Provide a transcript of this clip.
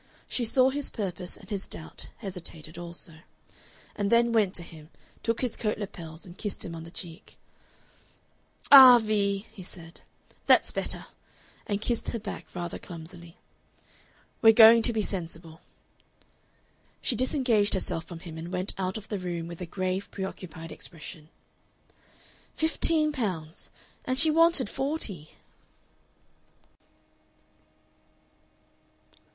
She saw his purpose and his doubt hesitated also, and then went to him, took his coat lapels, and kissed him on the cheek. "Ah, Vee," he said, "that's better! and kissed her back rather clumsily. "We're going to be sensible." She disengaged herself from him and went out of the room with a grave, preoccupied expression. (Fifteen pounds! And she wanted forty!)